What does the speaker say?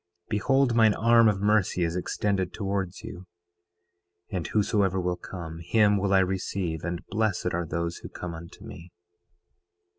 Behold, mine arm of mercy is extended towards you, and whosoever will come, him will I receive; and blessed are those who come unto me.